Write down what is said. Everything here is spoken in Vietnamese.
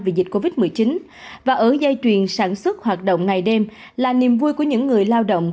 vì dịch covid một mươi chín và ở dây chuyền sản xuất hoạt động ngày đêm là niềm vui của những người lao động